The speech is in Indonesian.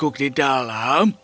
penekuk di dalam